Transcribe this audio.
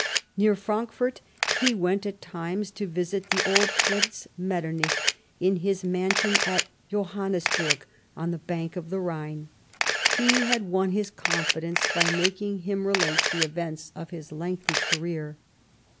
Near Frankfort he went at times to visit the old Prince Metternich in his mansion at Johannis burg on the bank of the Rhine ; he had won his confidence by making him relate the events of his lengthy career.